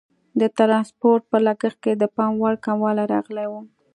د ټرانسپورټ په لګښت کې د پام وړ کموالی راغلی وو.